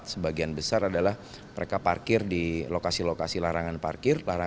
sebagian besar adalah mereka parkir di lokasi lokasi larangan parkir